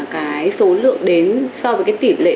cái số lượng đến so với cái tỷ lệ